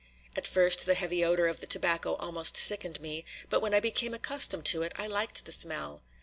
At first the heavy odor of the tobacco almost sickened me, but when I became accustomed to it, I liked the smell.